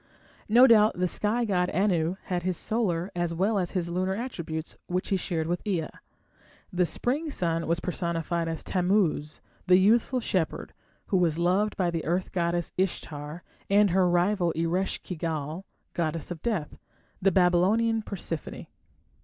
No doubt the sky god Anu had his solar as well as his lunar attributes, which he shared with Ea. The spring sun was personified as Tammuz, the youthful shepherd, who was loved by the earth goddess Ishtar and her rival Eresh ki gal, goddess of death, the Babylonian Persephone.